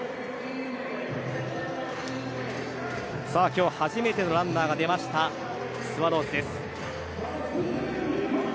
今日初めてのランナーが出ました、スワローズ。